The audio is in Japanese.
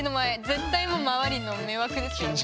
絶対もう周りの迷惑ですよね